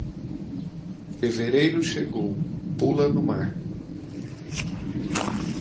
Fevereiro chegou, pula no mar.